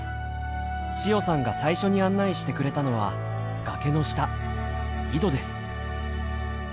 千代さんが最初に案内してくれたのは崖の下井戸です。